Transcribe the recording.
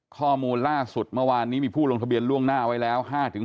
ข้อมูลล่าสุดเมื่อวานนี้มีผู้ลงทะเบียนล่วงหน้าไว้แล้ว